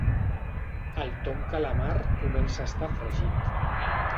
El Tom calamar comença a estar fregit.